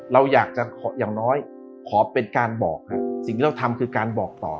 เราอยากจะขออย่างน้อยขอเป็นการบอกฮะสิ่งที่เราทำคือการบอกต่อ